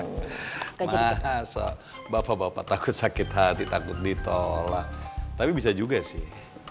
masa bapak bapak takut sakit hati takut ditolak tapi bisa juga sih